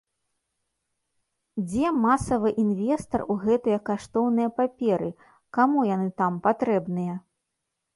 Дзе масавы інвестар у гэтыя каштоўныя паперы, каму яны там патрэбныя?